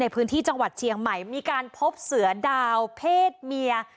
พื้นที่จังหวัดเชียงใหม่มีการพบเสือดาวเพศเมีย